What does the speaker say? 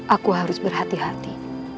aku harus berhati hati